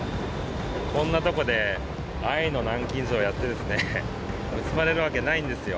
こんな所で愛の南京錠やってですね、結ばれるわけないんですよ。